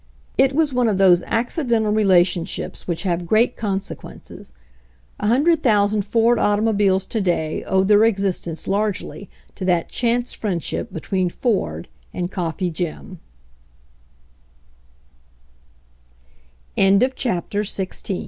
1 It was one of those accidental relationships which have great consequences. A hundred thou sand Ford automobiles to day owe their existence largely to that chance friendship between For